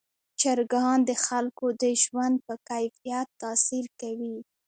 چرګان د خلکو د ژوند په کیفیت تاثیر کوي.